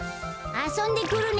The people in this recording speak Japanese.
あそんでくるね。